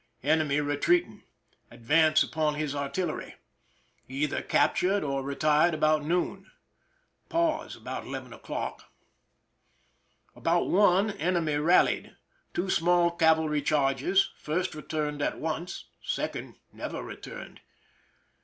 Enemy retreating. Advance upon his artillery. Either captured or retired about noon. Pause about 11 o'clock. About 1, enemy rallied. Two small cavalry charges. First returned at once ; second never returned.